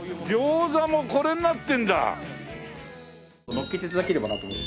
のっけて頂ければなと思って。